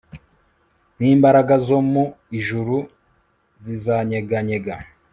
n imbaraga zo mu ijuru zizanyeganyega